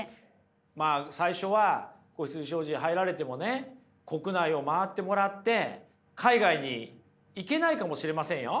まあ最初は子羊商事に入られてもね国内を回ってもらって海外に行けないかもしれませんよ。